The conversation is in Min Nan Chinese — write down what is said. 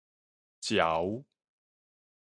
齊